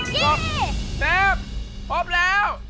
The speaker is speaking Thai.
เตี๊ยบพบแล้ว